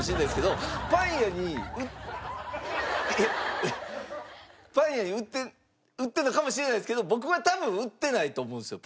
パン屋に売ってるのかもしれないですけど僕は多分売ってないと思うんですよ